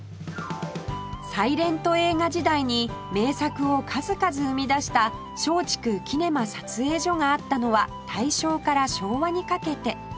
サイレント映画時代に名作を数々生み出した松竹キネマ撮影所があったのは大正から昭和にかけて